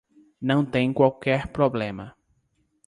Não tem qualquer problema.